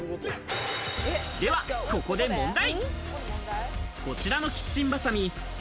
では、ここで問題。